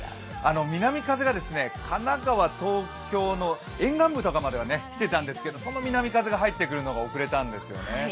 南風が神奈川、東京の沿岸部とかまではきてたんですがその南風が入ってくるのが遅れたんですね。